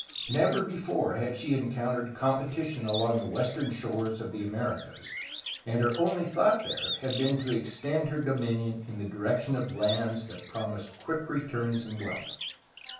Never before had she encountered competition along the western shores of the Americas, and her only thought there had been to extend her domain in the direction of lands that promised quick returns in wealth.